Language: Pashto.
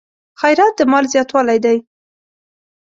خیرات د مال زیاتوالی دی.